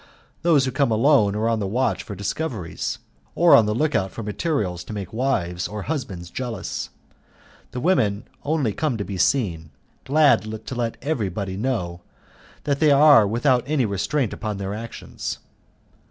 Those who come alone are on the watch for discoveries, or on the look out for materials to make wives or husbands jealous, the women only come to be seen, glad to let everybody know that they are without any restraint upon their actions.